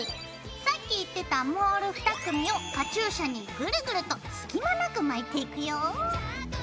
さっき言ってたモール２組をカチューシャにぐるぐると隙間なく巻いていくよ。